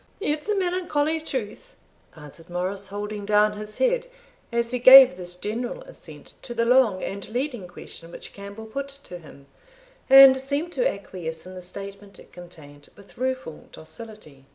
"It's a melancholy truth," answered Morris, holding down his head, as he gave this general assent to the long and leading question which Campbell put to him, and seemed to acquiesce in the statement it contained with rueful docility.